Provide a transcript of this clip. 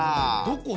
どこ？